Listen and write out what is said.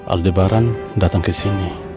aldebaran datang ke sini